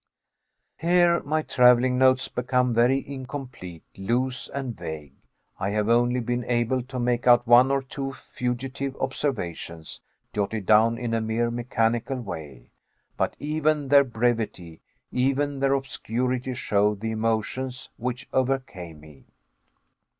Here my traveling notes become very incomplete, loose and vague. I have only been able to make out one or two fugitive observations, jotted down in a mere mechanical way. But even their brevity, even their obscurity, show the emotions which overcame me.